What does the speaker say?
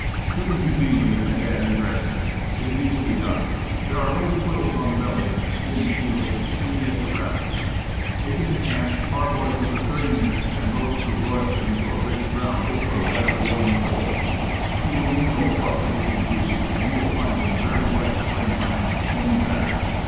Shoot him humanely in the head, and dress him. It is easily done; there are no quills on the belly, and the skin peels as freely as a rabbit's. Take him to camp, parboil him for thirty minutes, and roast or broil him to a rich brown over a bed of glowing coals. He will need no pork to make him juicy, and you will find him very like spring lamb, only better.